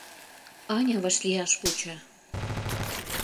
Аня вашлияш вуча...